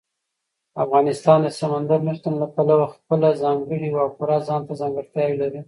افغانستان د سمندر نه شتون له پلوه خپله ځانګړې او پوره ځانته ځانګړتیاوې لري.